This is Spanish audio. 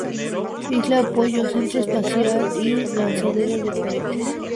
Isla Apollo: Centro espacial y lanzadera de cohetes.